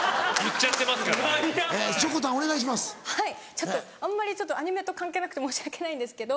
ちょっとあんまりちょっとアニメと関係なくて申し訳ないんですけど。